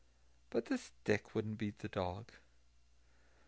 But the stick wouldn't beat the dog.